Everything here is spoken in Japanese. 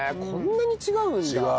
こんなに違うんだ！